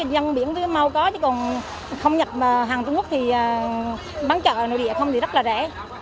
dân biển mới có chứ còn không nhập hàng trung quốc thì bán chợ nội địa không thì rất là rẻ